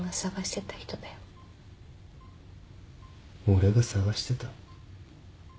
俺が捜してた？